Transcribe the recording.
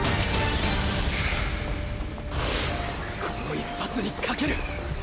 この一発に懸ける！！